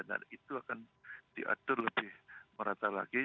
nah itu akan diatur lebih merata lagi